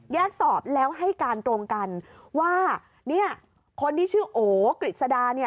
สอบแล้วให้การตรงกันว่าคนที่ชื่อโอกฤษดา